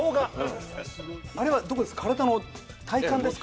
あれは体幹ですか？